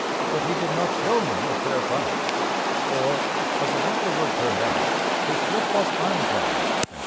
But he did not show me a fair fight, for, as it afterward turned out, his ship was iron clad."